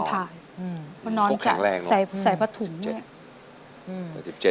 พวกแข็งแรงเนอะประถุงเนี่ย